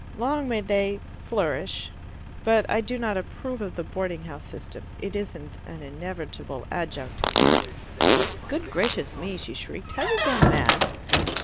Long may they, flourish. But I do not approve of the boarding house system. It isn't an inevitable adjunct " "Good gracious me!" she shrieked. "Have you gone mad?"